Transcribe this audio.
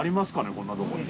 こんなとこに。